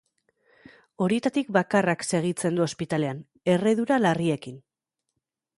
Horietatik bakarrak segitzen du ospitalean, erredura larriekin.